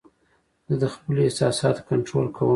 زه د خپلو احساساتو کنټرول کوم.